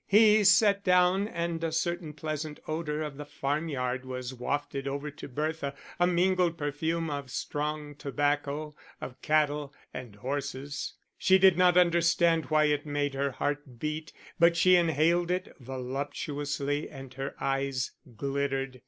He sat down and a certain pleasant odour of the farmyard was wafted over to Bertha, a mingled perfume of strong tobacco, of cattle and horses; she did not understand why it made her heart beat, but she inhaled it voluptuously and her eyes glittered.